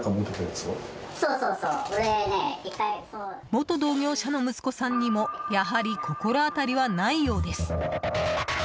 元同業者の息子さんにもやはり心当たりはないようです。